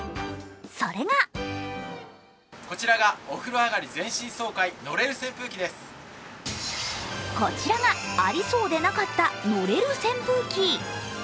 それがこちらがありそうでなかったのれる扇風機。